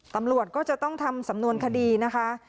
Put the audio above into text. ตำรวจก็จะต้องทำสำนวนคดีนะคะ